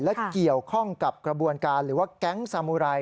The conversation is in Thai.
และเกี่ยวข้องกับกระบวนการหรือว่าแก๊งสามูไร